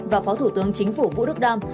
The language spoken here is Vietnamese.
và phó thủ tướng chính phủ vũ đức đam